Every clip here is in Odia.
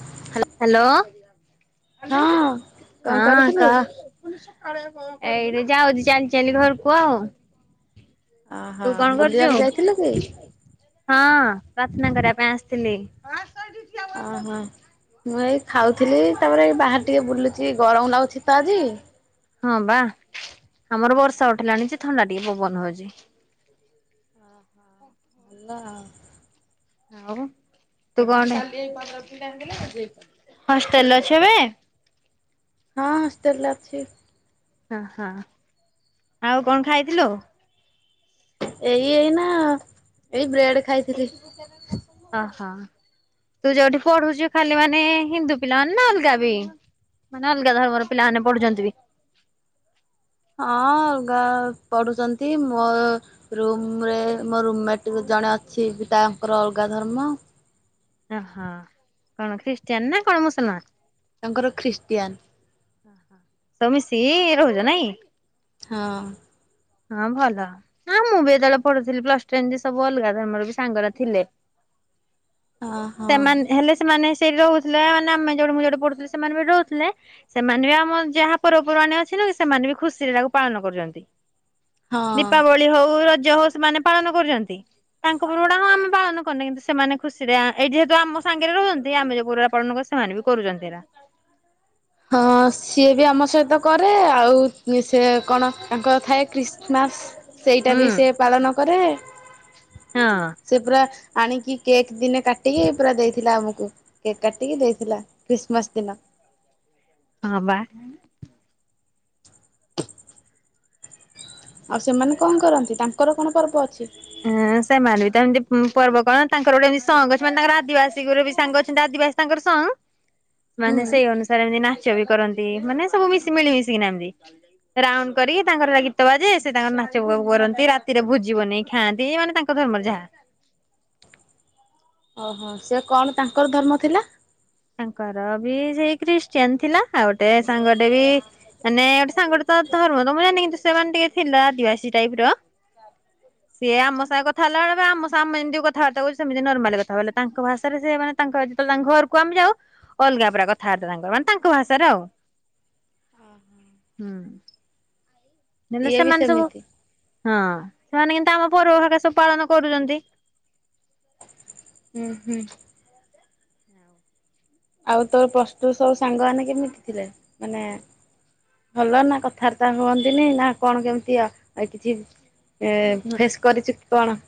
ହ୍ୟାଲୋ। ହ୍ୟାଲୋ କଣ ହଁ କରୁଥିଲୁ? କା ଏଇଟି ଯାଉଛି ଚାଲି ଚାଲି ଘରକୁ ଆଉ। ଓହୋ ତୁ କଣ କରୁଛୁ? ବୁଲିବାକୁ ଯାଇଥିଲୁ କି? ହଁ ପ୍ରାର୍ଥନା କରିବା ପାଇଁ ଆସିଥିଲି। ଓହୋ। ମୁଁ ଏଇ ଖାଉଥିଲି ତାପରେ ଏଇ ବାହାରେ ଟିକେ ବୁଲୁଚି ଗରମ ଲାଗୁଛି ତ ଆଜି। ହଁ ବା ଆମର ବର୍ଷା ଉଠିଲାଣ ଯେ ଥଣ୍ଡା ଟିକେ ପବନ ହଉଛି। ଓହୋ ହଉ ତୁ କ'ଣ ହଷ୍ଟେଲରେ ଅଛ ଏବେ! ହଁ ହଷ୍ଟେଲ ରେ ଅଛି। ହ ହଁ ଆଉ କ'ଣ ଖାଇଥିଲୁ? ଏଇ ଏଇ ନା ଏଇ ବ୍ରେଡ ଖାଇଥିଲି। ଓହୋ ତୁ ଯୋଉଠି ପଢୁଛୁ ଖାଲି ମାନେ ହିନ୍ଦୁ ପିଲାମାନୋନ ନା ଅଲଗା ବି ମାନେ ଅଲଗା ଧର୍ମର ପିଲାମାନୋନେ ପଢୁଛନ୍ତି ବି। ହଁ ଗା ପଢୁଛନ୍ତି। ମୋ ରୁମ ରେ ମୋ ରୁମମେଟ ଜଣେ ଅଛି ବି ତାଙ୍କର ଅଲଗା ଧର୍ମ ଓହୋ କ'ଣ ଖ୍ରୀଷ୍ଟିୟନ ନା କ'ଣ ମୁସଲମାନମାନ? ତାଙ୍କର ଖ୍ରୀଷ୍ଟିଆନ- ଓହୋ ମିଶିକି ରହୁଛ ନାଇଁ। ହଁ ହଁ ଭଲ ନାଁ ମୁଁ ବି ଏତେବେଳେ ପଢୁଥିଲି। ପ୍ଲସ ଟେନ ଯେ ସବୁ ଅଲଗା ତମର ବି ସାଙ୍ଗରେ ଥିଲେ। ଅ ହଁ ସେମାନେ ହେଲେ ସେମାନେ ସେଇି ରହୁଥିଲେ। ମାନେ ଆମେ ଯୋଉଠି ମୁଁ ଯୋଉଠି ପଢୁଥିଲେ ସେମାନେ ବି ରହୁଥିଲେ। ସେମାନେ ବି ଆମର ଯାହା ପର୍ବପର୍ବାଣଣି ଅଛି ନା ସେମାନେ ବି ଖୁସିରେ ତାକୁ ପାଳନ କରୁଛନ୍ତି। ହଁ। ଦୀପାବଳି ହଉ ରଜ ହଉ। ସେମାନେ ପାଳନ କରୁଛନ୍ତି। ତାଙ୍କ ଗୁଡା ହ ଆମେ ପାଳନ କରୁନ କିନ୍ତୁ ସେମାନେ ଖୁସିରେ ଏଇ ଯେହେତୁ ଆମ ସାଙ୍ଗରେ ରୁହନ୍ତି ଆମେ ଯୋଉ ପୁରା ପାଳନ ସେମାନେ ବି କରୁଛନ୍ତି ହେର। ହଁ ସିଏ ବି ଆମ ସହିତ କରେ ଆଉ ସେ କ'ଣ ତାଙ୍କର ଥାଏ ଖ୍ରୀଷ୍ଟମାସ। ସେଇଟା ହୁଁ ବି ସେ ପାଳନ କରେ ହଁ ସେ ପୁରା ଆଣିକି କେକ୍ ଦିନେ କାଟିକି ପୁରା ଦେଇଥିଲା ଆମକୁ କେକ୍ କାଟିକି ଦେଇଥିଲା ଖ୍ରୀଷ୍ଟମାସ ଦିନ। ହଁ ବା [inaudible] ଆଉ ସେମାନେ କ'ଣ କରନ୍ତି? ତାଙ୍କର କଣ ପର୍ବ ଅଛି। ହୁଁ ସେମାନେ ବି ତ ଏମିତି ପର୍ବ କ'ଣ ତାଙ୍କର ଗୋଟେ ଏମିତି ସଂଙ୍ଗ ଅଛି ତାଙ୍କର ଆଦିବାସୀଙ୍କର ବି ସାଙ୍ଗ ଅଛନ୍ତି। ଆଦିବାସୀ ତାଙ୍କର ସାଙ୍ଗ ମାନେ ହୁଁ ସେଇ ଅନୁ। ମିତି ନାଚ ବି କରନ୍ତି। ମାନେ ସବୁ ମିଶି ମିଳିମଶିକିନା ଏମତି ରାଉଣ୍ଡ କରିକି ତାଙ୍କର ଗୀତ ବାଜେ ସେ ତାଙ୍କର ନାଚ କରନ୍ତି ରାତିରେ ଭୋଜିବ ନେଇକି। ଖାଆନ୍ତି ମାନେ ତାଙ୍କ ଧର୍ମର ଯାହା। ଓହୋ ସେ କଣ ତାଙ୍କର ଧର୍ମ ଥିଲା। ତାଙ୍କର ବି ସେଇ ଖ୍ରୀଷ୍ଟିଆନ ଥିଲା ଆଉ ଗୋଟେ ସାଙ୍ଗଟେ ବି। ମାନେ ଗୋଟେ ସାଙ୍ଗ ତ ଧର୍ମ ତ ମୁଁ ଜାି କିନ୍ତୁ ସେମାନେ ଟିକେ ଥିଲା ଆଦିବାସୀ ଟାଇପ ର। [inaudible] ସିଏ ଆମ ସାଙ୍ଗରେ କଥା ହେଲା ବେଳେ ପୁରା ଆମ ସାଙ୍ଗେ ଯେମିତି କଥାବାର୍ତ୍ତା କରୁଛୁ ସେମିତି ନର୍ମାଲି କଥା ହବ ତାଙ୍କ ଭାଷାରେ ସେମାନେ ତାଙ୍କ ଯେତେବେଳେ ତାଙ୍କ ଘରକୁ ଆମେ ଯାଉ ଅଲଗା ପୁରା କଥାବାର୍ତ୍ତା ତାଙ୍କର ମାନେ ତାଙ୍କ ଭାଷାରେ ଆଉ ହୁଁ। ଯେତେହେଲେ ଇଏ ବି ସେମାନେ ସବୁ ସେମିତି ହଁ ସେମାନେ କିନ୍ତୁ ଆମ ପର୍ବ ହେରିକା ସବୁ ପାଳନ କରୁଛନ୍ତି। ହୁଁ ହୁଁ। [unintelligible] ଆଉ ତୋର ପ୍ଲସ୍ ଟୁ ର ସବୁ ସାଙ୍ଗମାନେ କେମିତି ଭଲ ନା କଥାବାର୍ତ୍ତା ହୁଅନ୍ତିନି। ନା କ'ଣ କେମିତି ଆଉ କିଛି ଏ ଫେସ୍ କରିଚୁ କ'ଣ?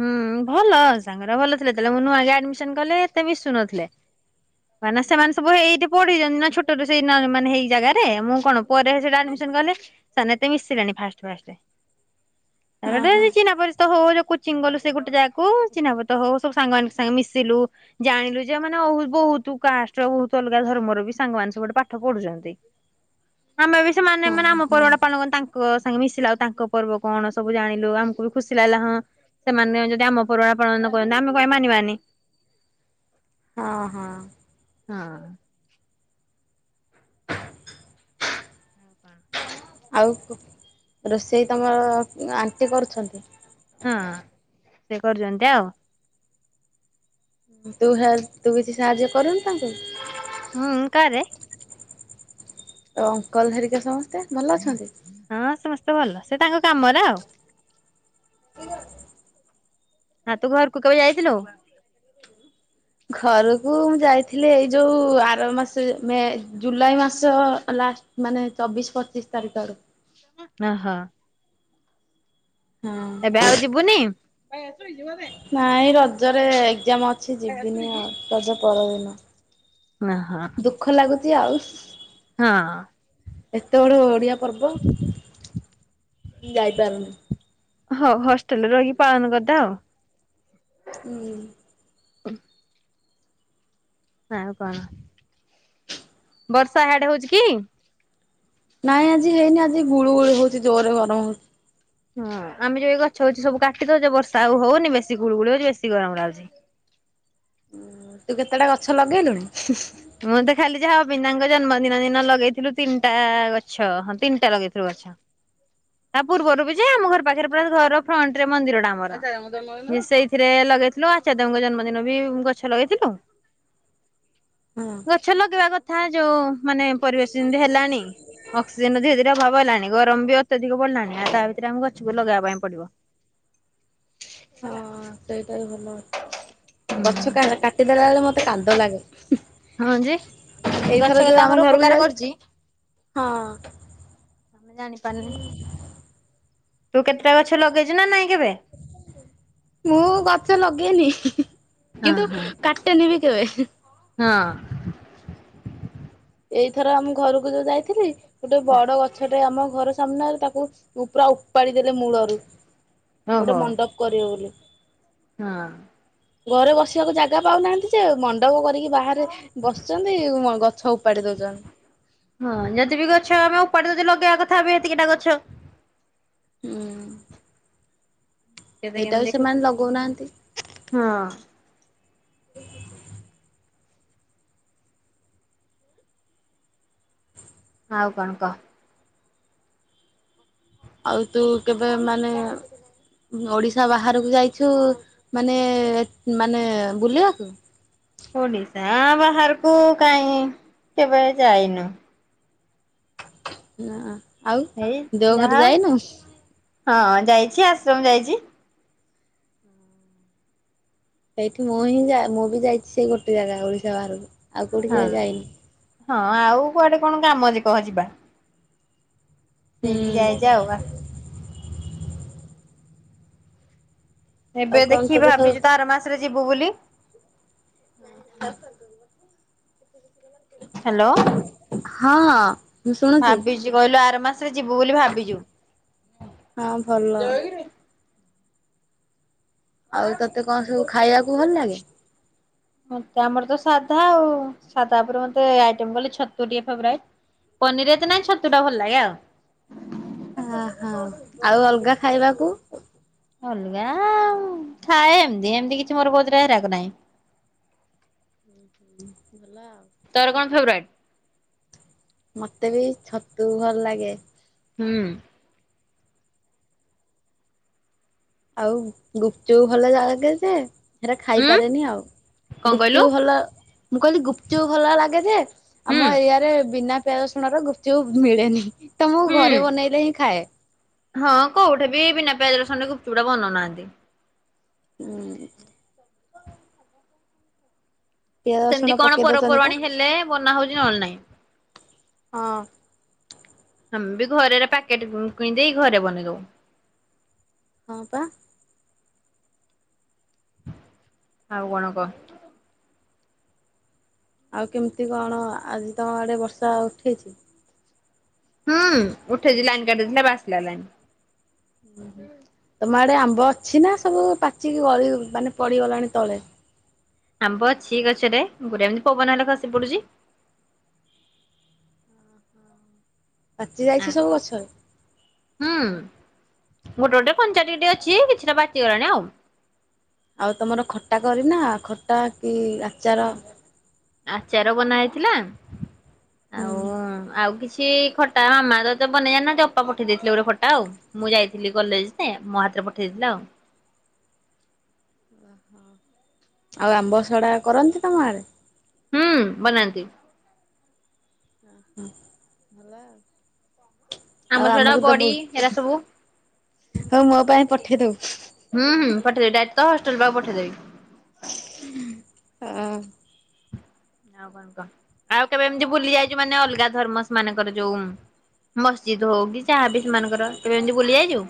ହୁଁ ଭଲ ସାଙ୍ଗ ଗୁଡ଼ା ଭଲ ଥିଲେ ଯେତେବେଳେ ମୁଁ ନୂଆ ଯାଇ ଆଡମିସନ କଲି ଏତେ ମିଶୁନଥିଲେ ମାନେ ସେମାନେ ସବୁ ଏଇଠି ପଢ଼ିଛନ୍ତି ନା ଛୋଟରୁ ସେଇ ମାନେ ସେଇ ଜାଗାରେ ମୁଁ କ'ଣ ପରେ। [unintelligible] ତାପରେ ଓହୋ ଗୋଟେ ଚିହ୍ନା ପରିିଚୟ ହଉ ହଉ କୋଚିଙ୍ଗ ଗଲୁ ସେ ଗୋଟେ ଜାଗାକୁ ଚିନା ପର୍ଚ୍ଚତ ହଉ ସବୁ ସାଙ୍ଗ ମାନଙ୍କ ସାଂଗରେ ମିଶିଲୁ ଜାଣିଲୁ ଯେ ମାନେ ବହୁତ କାଷ୍ଟର ବହୁତ ଅଲଗା ଧର୍ମର ବି ସାଙ୍ଗ ମାନ ସବୁ ଏଠି ପାଠ ପଢ଼ୁଛନ୍ତି। ଆମେ ବି ସେମାନେ ମାନେ ହଁ ଆମ ହଁ ପର୍ବ ଟା ପାଳନ କରୁ ତାଙ୍କ ସାଙ୍ଗେ ମିଶିଲା ଆଉ ତାଙ୍କ ପର୍ବ କଣ ସବୁ ଜାଣିଲୁ ଆମକୁ ବି ଖୁସି ଲାଗିଲା ହଁ ସେମାନେ ଯଦି ଆମ ପର୍ବ ପାଳନ କରନ୍ତି ଆମେ କାଇଁ ମାନିବାନି? ହଁ ହଁ। ହଁ। [inaudible] ଆଉ ରୋଷେଇ ତୁମର ଆଣ୍ଟି କରୁଛନ୍ତି? ହଁ ସେ କରୁଛନ୍ତି ଆଉ। ତୁ ହେଲ୍ପ, ତୁ କିଛି ସାହାଯ୍ୟ କରୁନୁ ତାଙ୍କୁ? ହୁଁ କରେ। ଆଉ ଅଙ୍କଲ ହେରିକା ସମସ୍ତେ ଭଲ ଅଛନ୍ତି? ହଁ ସମସ୍ତେ ଭଲ ସେ ତାଙ୍କ କାମରେ ଆଉ [inaudible] ହଁ ତୁ ଘରକୁ କେବେ ଯାଇଥିଲୁ? ଘରକୁ ମୁଁ ଯାଇଥିଲି ଏଇ ଯୋଉ ଆର ମାସ ମେ ଜୁଲାଇ ମାସ ଲାଷ୍ଟ ମାନେ ଚବିଶ ପଚିଶ ତାରିଖ ଆଡ଼କୁ। ହଁ ହଁ। ହଁ ଏବେ ଆଉ ଯିବୁନି? ନାଇଁ ରଜରେ ଏକ୍ଜାମ୍ ଅଛି ଯିବିନି ଆଉ ରଜ ପରଦିନ। ଓହୋଃ। ଦୁଃଖ ଲାଗୁଛି ଆଉ ହଁ। ଏତେ ବଡ଼ ଓଡିଆ ପର୍ବ ମୁଁ ଯାଇପାରୁନି। ହଁ ହଷ୍ଟେଲରେ ରହିି ପାଳନ କରିଦେ ଆଉ ହୁଁ। ଆଉ କଣ, ବର୍ଷା ଆଡେ ହଉଛି କି? ନାଇଁ ଆଜି ହେଇନି ଆଜି ଗୁଳୁ ଗୁଳି ହଉଛି ଜୋରରେ ଗରମ ହଉଛି। ହଁ ଆମେ ଯୋଉ ଏବେ ଗଛ ଫଛ ସବୁ କାଟିଦଉଛେ ବର୍ଷା ଆଉ ହଉନି ବେଶି ଗୁଳୁ ଗୁଳି ହଉଛି ବେଶି ଗରମ ଲାଗୁଛି। ଉ ତୁ କେତେଟା ଗଛ ଲଗେଇଲୁଣି? ମୁଁ ତ ଖାଲି ଯାହା ଅବିନ୍ଦାଙ୍କ ଜନ୍ମଦିନ ଦିନ ଲଗେଇଥିଲୁ ତିନିଟା ଗଛ ହଁ ତିନିଟା ଲଗେଇ ଥିଲୁ ଗଛ ତା ପୂର୍ବରୁ ବି ଯେ ଆମ ଘର ପାଖରେ ପୁରା ଘର ଫ୍ରଣ୍ଟ ରେ ମନ୍ଦିର ଟା ଆମର ସେଇଥିରେ ଲଗେଇଥିଲୁ ଆଚାର୍ଯ୍ୟଙ୍କ ଜନ୍ମଦିନ ବି ଗଛ ଲଗେଇଥିଲୁ ହଁ। ଗଛ ଲଗେଇବା କଥା ଯୋଉ ମାନେ ପରିବେଶ ଯେମିତି ହେଲାଣି ଅକ୍ସିଜେନ ଧୀରେ ଧୀରେ ଅଭାବ ହେଲାଣି। ଗରମ ବି ଅତ୍ୟଧିକ ପଡିଲାଣି ଆଉ ତା ଭିତରେ ଆମେ ଗଛକୁ ଲଗାଇବା ପାଇଁ ପଡିବ। ହଁ ସେଇଟା ବି ଭଲ। ଗଛ କ କାଟିଦେଲା ବେଳେ ମତେ କାନ୍ଦ ଲାଗେ। ହଁ ଯେ ଗଛ ଏଇଥର ଯୋଉ କେତେ ଆମ ଆମର ଘରକୁ ଉପକାର ଯାଉଛି କରୁଛି। ହଁ। ଆମେ ଜାଣିପାରୁନେ, ତୁ କେତେଟା ଗଛ ଲଗେଇଛୁ ନା ନାଇଁ କେବେ? ମୁଁ ଗଛ ଲଗେଇନି ହିଁ ହିଁ ହିଁ। ହଁ କିନ୍ତୁ କାଟେନି ବି କେବେ ହେଁ ହେଁ। ହଁ। ଏଇଥର ଆମ ଘରକୁ ଯୋଉ ଯାଇଥିଲି, ଗୋଟେ ହଁ। ବଡ ଗଛଟେ ଆମ ଘର ସାମ୍ନାରେ ତାକୁ ଉ ପୁରା ଉପାଡି ଦେଲେ ମୂଳରୁ ଓହୋ ଗୋଟେ ମଣ୍ଡପ କରିବେ ବୋଲି। ହଁ। ଘରେ ବସିବାକୁ ଜାଗା ପାଉନାହାନ୍ତି ଯେ, ମଣ୍ଡପ କରିକି ବାହାରେ ବସିଛନ୍ତି ଗଛ ଉପାଡି ଦଉଛନ୍ତି ହଁ ଯଦି ବି ଗଛ ଆମେ ଉପାଡ଼ି ଦଉଚେ ଲଗେଇବା କଥା ବି ଏତିକି ଟା ଗଛ। ହୁଁ। କେତେ ସେଇଟା ବି କେମିତି ସେମାନେ ଦେଖୁଛୁ। ଲଗଉନାହାନ୍ତି ହଁ। [inaudible] ଆଉ କଣ କହ। ଆଉ ତୁ କେବେ ମାନେ ଓଡ଼ିଶା ବାହାରକୁ ଯାଇଛୁ ମାନେ ମାନେ ବୁଲିବାକୁ? ଓଡ଼ିଶା ବାହାରକୁ କାହିଁ କେବେ ଯାଇନୁ। ନା ଆଉ ଏଇ ଦେଓଘର ଯାହା ଯାଇନୁ? ହଁ ଯାଇଛି ଆଶ୍ରମ ଯାଇଛି। ସେଇଠି ମୁଁ ହିଁ ଯା ମୁଁ ବି ଯାଇଛି ସେଇ ଗୋଟେ ଜାଗା ଓଡ଼ିଶା ବାହାରକୁ। ଆଉ କୋଉଠି ହଁ କେବେ ଯାଇନି। ହଁ ଆଉ କୁଆଡ଼େ କଣ କାମ ଯେ କହ ଯିବା। ସେଇଠି କି ହୁଁ ଯାଇଚି ଆଉ ଆଉ ଏବେ କଣ ଦେଖିବା ତୋତେ ସବୁ ଭାବିଛୁ ତ ଆର ମାସରେ ଯିବୁ ବୋଲି। [unintelligible] ହ୍ୟାଲୋ ହଁ ମୁଁ ଶୁଣୁଛି ଭାବିଛୁ କହିଲୁ ଆର ମାସରେ ଯିବୁ ବୋଲି ଭାବିଛୁ? ହଁ ଭଲ। ଆଉ ତତେ କଣ ସବୁ ଖାଇବାକୁ ଭଲ ଲାଗେ? ମତେ ଆମର ତ ସାଧା ଆଉ ସାଧା ଉପରେ ମତେ ଆଇଟମ କହିଲେ ଛତୁ ଟିକେ ଫେବରାଇଟ। ପନିର ଏତେ ନାଇଁ ଛତୁଟା ଭଲ ଲାଗେ ଆଉ। ଓହୋଃ। ଆଉ ଅଲଗା ଖାଇବାକୁ? ଅଲଗା ଥାଏ ଏମତି ଏମତି କିଛି ମୋର [unintelligible] ରାଗ ନାହିଁ। ହୁଁ ଭଲ ଆଉ। ତୋର କଣ ଫେବରାଇଟ? ମତେ ବି ଛତୁ ଭଲ ଲାଗେ। ହୁଁ। ଆଉ ଗୁପଚୁପ ଭଲ ଲାଗେ ଯେ ସେଟା ଉଁ ଖାଇପାରେନି ଆଉ। କଣ କହିଲୁ ଗୁପଚୁପ ଭଲ ମୁଁ କହିଲି ଗୁପଚୁପ ଭଲ ଲାଗେ ଯେ ହୁଁ। ଆମ ଏରିଆରେ ବିନା ପିଆଜ ରସୁଣ ର ଗୁପଚୁପ ମିଳେନି, ତ ମୁଁ ହୁଁ ଘରେ ବନେଇଲେ ହିଁ ଖାଏ। ହଁ କୋଉଠି ବି ବିନା ପିଆଜ ରସୁଣ ରେ ଗୁପଚୁପୁଡା ବନଉନାହାନ୍ତି। ହୁଁ। ପିଆଜ ରସୁଣ ସେମିତି କଣ ପକେଇ ଦଉଛନ୍ତି ପା। ପର୍ବପର୍ବାଣୀ ହେଲେ ବନା ହଉଛି ନହେଲେ ନାହିଁ। ହଁ। ଆମେ ବି ଘରେ ଏରା ପ୍ୟାକେଟ କିଣିଦେଇ ଘରେ ବନେଇ ଦଉ। ହଁ ପା। ଆଉ କଣ କହ। ଆଉ କେମିତି କଣ ଆଜି ତମ ଆଡ଼େ ବର୍ଷା ଉଠେଇଚି? ହୁଁ ଉଠେଇଛି ଲାଇନ୍ କାଟି ଦେଇଥିଲା ଏବେ ଆସିଲା ଲାଇନ୍। ତମ ଆଡ଼େ ଆମ୍ବ ଅଛି ନା ସବୁ ପାଚିକି ଗଳି ମାନେ ପଡ଼ିଗଲାଣି ତଳେ? ଆମ୍ବ ଅଛି ଗଛରେ [unintelligible] ଏମିତି ପବନ ହେଲେ ଖସି ପଡ଼ୁଛି। ପାଚି ଆ ଯାଇଛି ସବୁ ଗଛ ରେ? ହୁଁ ଗୋଟେ ଗୋଟେ କଞ୍ଚା ଟିକେ ଟିକେ ଅଛି କିଛିଟା ପାଚି ଗଲାଣି ଆଉ। ଆଉ ତମର ଖଟା କରିନା ଖଟା କି ଆଚାର? ଆଚାର ବନା ହେଇଥିଲା ହୁଁ। ହଁ ଆଉ କିଛି ଖଟା ମାମା ତ ତ ବନେଇ ଜାଣି ନାନ୍ତି ଅପା ପଠେଇ ଦେଇଥିଲେ ଗୋଟେ ଖଟା ଆଉ। ମୁଁ ଯାଇଥିଲି କଲେଜ ଯେ ମୋ ହାତରେ ପଠେଇଦେଇ ଥିଲା ଆଉ। ଆଉ ଆମ୍ବ ସଢ଼ା କରନ୍ତି ତମ ଆଡ଼େ? ହୁଁ ବନାନ୍ତି। ହଁ ହଁ ଭଲ ଆଉ। ଆମ୍ବ ଆଉ ସଡା ଆମୁକୁ ଦବୁ, ବଡି ଏରା ସବୁ ହଉ ମୋ ପାଇଁ ପଠେଇଦବୁ ହୁଁ ହୁଁ, ପଠେଇଦେବି, ଡାଏଟ ତୋ ହଷ୍ଟେଲ ପାଖକୁ ପଠେଇଦବି। ହ ଆଉ କଣ କ? ଆଉ କେବେ ଏମିତି ବୁଲି ଯାଇଛୁ ମାନେ ଅଲଗା ଧର୍ମସ ମାନଙ୍କରେ ଯୋଉ ମସଜିଦ୍ଦ ହଉ କି ଯାହାବି ସେମାନଙ୍କର, କେବେ ଏମିତି ବୁଲି ଯାଇଚୁ?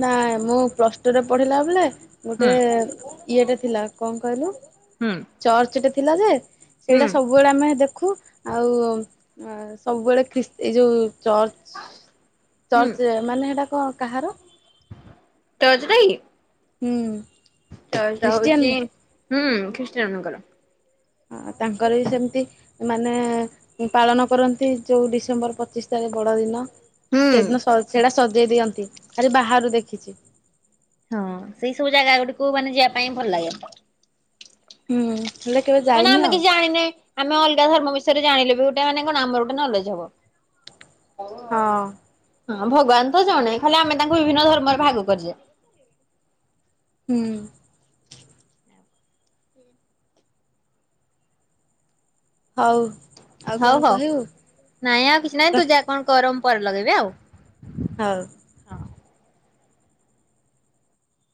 ନାଇଁ ମୁଁ ପ୍ଲସ ଟୁରେ ପଢିଲା ବେଳେ, ହୁଁ ଗୋଟେ ଇଏଟା ଥିଲା, କଣ କହିଲୁ? ହୁଁ ଚର୍ଚ୍ଚଟେ ଥିଲା ଯେ, ହୁଁ ସେଇଟା ସବୁ ସବୁବେଳେ ଆମେ ଦେଖୁ ଆଉ ସବୁବେଳେ ଖ୍ରୀଷ୍ ଏ ଯୋଉ ଚର୍ଚ୍ଚ ହୁଁ ଚର୍ଚ୍ଚ ମାନେ ହେଇଟା କଣ? କାହାର? [unintelligible] କାହିଁକି? ହୁଁ ଉଁ। ଚର୍ଚ୍ଚଟା ହଉଛି ହୁଁ ଖ୍ରୀଷ୍ଟିୟ ମାନଙ୍କର। ହଁ, ତାଙ୍କର ବି ସେମିତି ମାନେ ପାଳନ କରନ୍ତି ଯୋଉ ଡିସେମ୍ବର ପଚିଶ ତାରିଖ ବଡ ଦିନ। ହୁଁ ସେଦିନ ସ ସେଟା ସଜେଇ ଦିଅନ୍ତି, ଖାଲି ବାହାରୁ ଦେଖିଛି। ହଁ ସେଇ ସବୁ ଜାଗା ଗୁଡିକୁ ମାନେ ଯିବା ପାଇଁ ଭଲ ଲାଗେ। ହୁଁ, ହେଲେ କେବେ ମାନେ ଯାଇନି ଆମେ ଆଉ। କିଛି ଜାଣିିନେ, ଆମେ ଅଲଗା ଧର୍ମ ବିଷୟରେ ଜାଣିଲେ ବି ଗୋଟେ ମାନେ କଣ ଆମର ଗୋଟେ ନଲେଜ ହବ। ହଁ ହଁ ଭଗବାନ ତ ଜଣେ, ଖାଲି ଆମେ ତାଙ୍କୁ ବିଭିନ୍ନ ଧର୍ମରେ ଭାଗ କରିଛେ। ହୁଁ ଉଁ। ହଉ। ଆଉ ହଉ କଣ ହଉ କହିବୁ ନାଇଁ ଆଉ କିଛି ନାଇଁ ତୁ ଯା କଣ କର, ମୁଁ ପରେ ଲଗେଇବି ଆଉ। ହଉ। ହଁ।